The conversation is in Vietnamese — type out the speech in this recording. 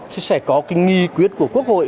thì sẽ có cái nghi quyết của quốc hội